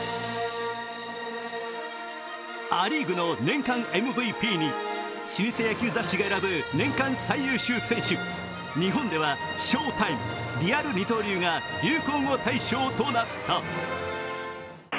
ア・リーグの年間ＭＶＰに老舗野球雑誌が選ぶ年間最優秀選手、日本では翔タイム、リアル二刀流が流行語大賞となった。